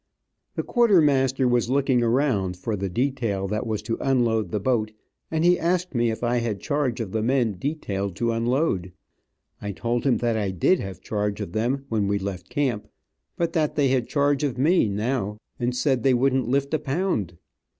The quartermaster was looking around for the detail that was to unload the boat, and he asked me if I had charge of the men detailed to unload. I told him that I did have charge of them when we left camp, but that they had charge of me now, and said they wouldn't lift a pound.